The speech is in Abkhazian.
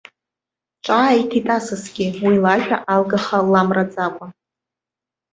Ҿааиҭит асасгьы уи лажәа алгаха ламраӡакәа.